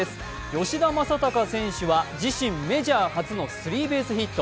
吉田正尚選手は、自身メジャー初のスリーベースヒット。